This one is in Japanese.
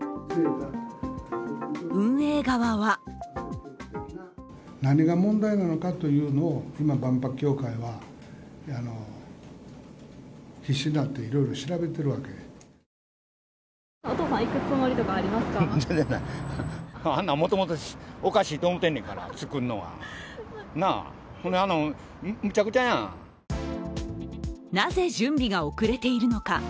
運営側はなぜ準備が遅れているのか。